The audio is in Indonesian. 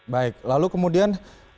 baik lalu kemudian